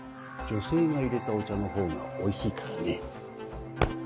女性がいれたお茶のほうがおいしいからね。